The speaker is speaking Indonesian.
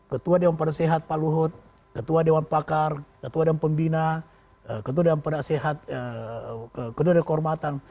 ketua dewan pada sehat pak luhut ketua dewan pakar ketua dewan pembina ketua dewan pada sehat ketua dewan kormatan